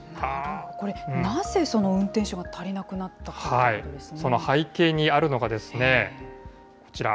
これ、なぜ運転手が足りなくその背景にあるのがですね、こちら。